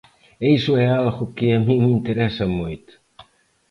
E iso é algo que a min me interesa moito.